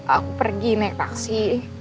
aku pergi naik taksi